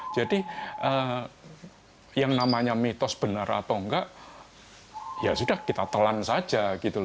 jadi yang namanya mitos benar atau enggak ya sudah kita telan saja